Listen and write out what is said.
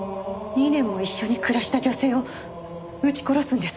２年も一緒に暮らした女性を撃ち殺すんですか？